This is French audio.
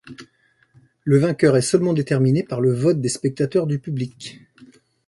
Le vainqueur est seulement déterminé par le vote des spectateurs du public.